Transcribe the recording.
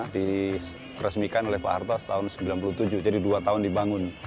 diresmikan oleh pak harto tahun seribu sembilan ratus sembilan puluh tujuh jadi dua tahun dibangun